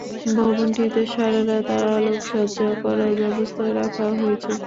ভবনটিতে সারারাত আলোকসজ্জা করার ব্যবস্থাও রাখা হয়েছে।